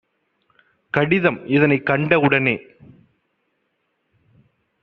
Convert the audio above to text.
கடிதம் இதனைக் கண்ட வுடனே